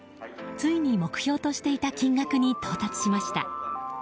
ついに、目標としていた金額に到達しました。